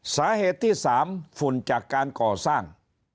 สาเหตุที่๓ฝุ่นจากการก่อสร้าง